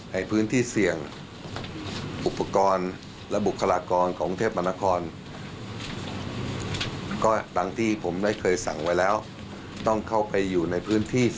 ในพื้นที่เสี่ยงอุปกรณ์และบุคลากรของกรุงเทพมนคร